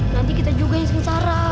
nanti kita juga yang sementara